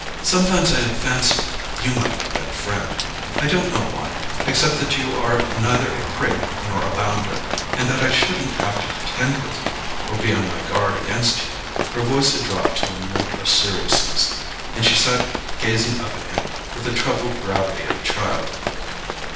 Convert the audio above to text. Sometimes I have fancied you might be that friend—I don't know why, except that you are neither a prig nor a bounder, and that I shouldn't have to pretend with you or be on my guard against you." Her voice had dropped to a note of seriousness, and she sat gazing up at him with the troubled gravity of a child.